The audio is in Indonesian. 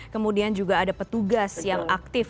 kemudian juga ada petugas yang aktif